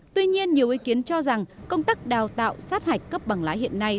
tuy nhiên nhiều ý kiến cho rằng công tác đào tạo sát hạch cấp bằng lái hiện nay